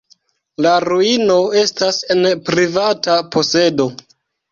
La ruino estas en privata posedo.